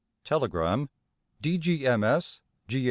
Telegram: D.G.M.S., G.